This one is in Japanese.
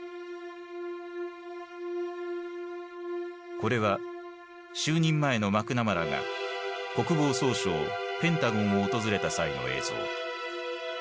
これは就任前のマクナマラが国防総省ペンタゴンを訪れた際の映像。